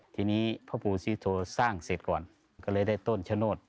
ทีนี้พ่อปู่ศรีโทสร้างเสร็จก่อนก็เลยได้ต้นชะโนธ